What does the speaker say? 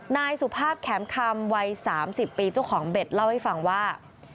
นายสุภาพแข็มคำวัย๓๐ปีเจ้าของเบ็ดเล่าให้ฟังว่า